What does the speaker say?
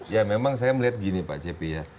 ya memang saya melihat gini pak cepi ya